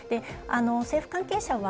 政府関係者は、